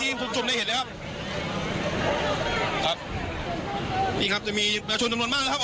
คุณผู้ชมได้เห็นเลยครับครับนี่ครับจะมีแมวชนจำนวนมากนะครับ